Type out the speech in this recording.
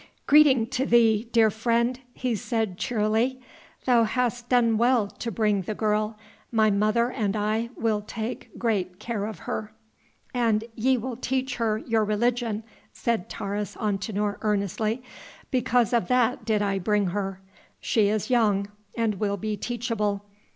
"Greeting to thee, dear friend," he said cheerily. "Thou hast done well to bring the girl. My mother and I will take great care of her." "And ye will teach her your religion," said Taurus Antinor earnestly; "because of that did I bring her. She is young and will be teachable.